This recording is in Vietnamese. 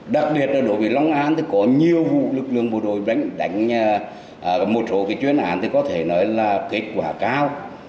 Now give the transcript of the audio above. đặc biệt là đối với long an thì có nhiều vụ lực lượng bộ đội đánh một số chuyên án thì có thể nói là kết quả cao